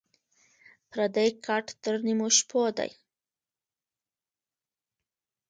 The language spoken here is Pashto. پردى کټ تر نيمو شپو دى.